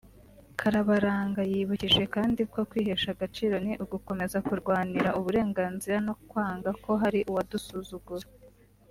Karabaranga yibukije kandi ko “Kwihesha agaciro ni ugukomeza kurwanira uburenganzira no kwanga ko hari uwadusuzugura”